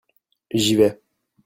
J'y vais.